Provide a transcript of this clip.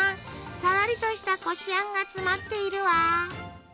さらりとしたこしあんが詰まっているわ。